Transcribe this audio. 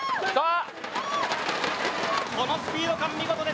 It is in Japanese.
このスピード感、見事です。